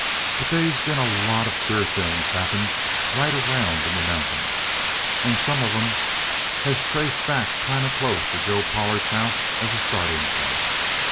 But they's been a lot of queer things happen right around in the mountains; and some of 'em has traced back kind of close to Joe Pollard's house as a starting point.